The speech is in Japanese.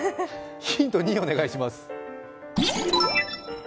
ヒント２お願いします。